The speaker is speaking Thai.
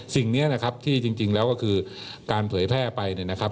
สิ่งนี้นะครับที่จริงแล้วก็คือการเผยแพร่ไปเนี่ยนะครับ